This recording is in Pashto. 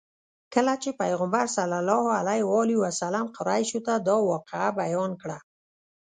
کله چې پیغمبر صلی الله علیه وسلم قریشو ته دا واقعه بیان کړه.